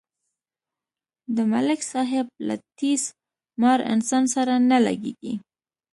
د ملک صاحب له تیس مار انسان سره نه لگېږي.